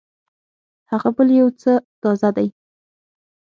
هغه بل يو څه تازه دی.